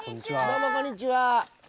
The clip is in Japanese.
どうもこんにちは。